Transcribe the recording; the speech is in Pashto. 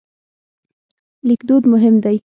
لیکدود مهم دی.